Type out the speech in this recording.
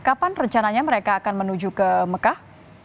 kapan rencananya mereka akan menuju ke mekah